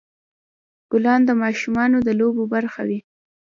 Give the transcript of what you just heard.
ګلان د ماشومانو د لوبو برخه وي.